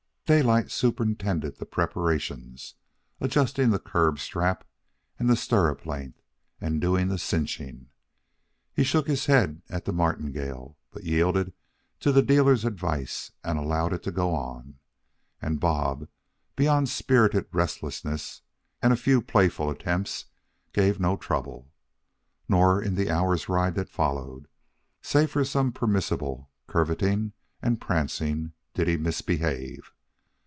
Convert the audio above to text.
Daylight superintended the preparations, adjusting the curb strap and the stirrup length, and doing the cinching. He shook his head at the martingale, but yielded to the dealer's advice and allowed it to go on. And Bob, beyond spirited restlessness and a few playful attempts, gave no trouble. Nor in the hour's ride that followed, save for some permissible curveting and prancing, did he misbehave.